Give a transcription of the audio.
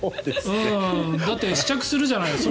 だって、試着するじゃない。